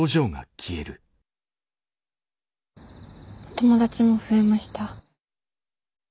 友達も増えました。